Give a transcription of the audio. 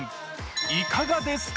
いかがですか？